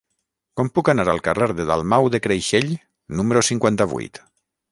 Com puc anar al carrer de Dalmau de Creixell número cinquanta-vuit?